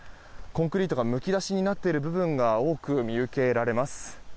コンクリートがむき出しになっている部分が多く見受けられます。